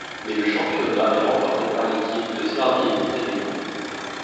Mais le championnat est remporté par l'équipe de Serbie-et-Monténégro.